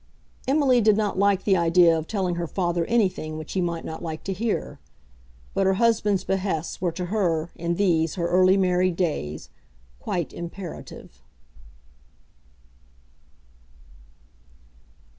Emily did not like the idea of telling her father anything which he might not like to hear; but her husband's behests were to her in these, her early married days, quite imperative.